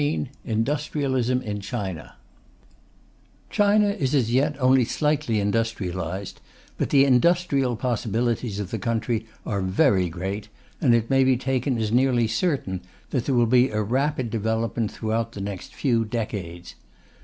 ] CHAPTER XIV INDUSTRIALISM IN CHINA China is as yet only slightly industrialized, but the industrial possibilities of the country are very great, and it may be taken as nearly certain that there will be a rapid development throughout the next few decades.